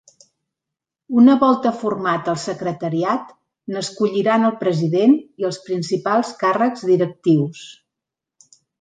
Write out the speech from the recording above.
Una volta format el secretariat, n’escolliran el president i els principals càrrecs directius.